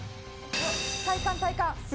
体幹体幹。